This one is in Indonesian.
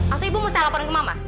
maksudnya ibu mesti laporin ke mama